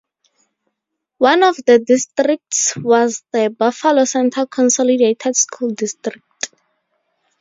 One of the districts was the Buffalo Center Consolidated School District.